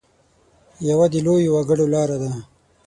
یوه د لویو وګړو لاره ده.